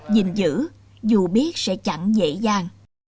nhìn giữ dù biết sẽ chẳng dễ dàng